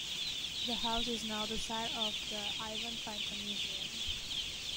The house is now the site of the Ivan Franko Museum.